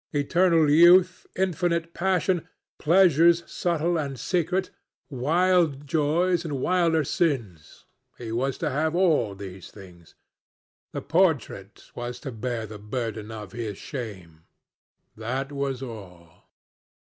Eternal youth, infinite passion, pleasures subtle and secret, wild joys and wilder sins—he was to have all these things. The portrait was to bear the burden of his shame: that was all.